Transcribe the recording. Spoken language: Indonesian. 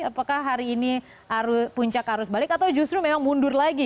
apakah hari ini puncak arus balik atau justru memang mundur lagi